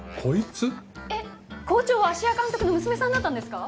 えっ校長は芦屋監督の娘さんだったんですか？